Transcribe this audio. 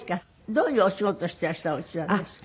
どういうお仕事をしていらしたお家なんですか？